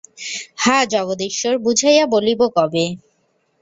হা জগদীশ্বর, বুঝাইয়া বলিব কবে?